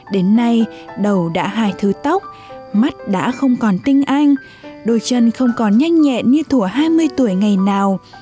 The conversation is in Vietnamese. đến nay đầu đã hài thứ tóc mắt đã không còn tinh anh đôi chân không còn nhanh nhẹn như thủa hai mươi tuổi ngày nào